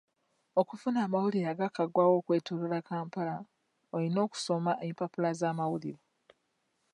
Okufuna amawulire agaakagwawo okwetooloola Kampala oyina okusoma empapula z'amawulire.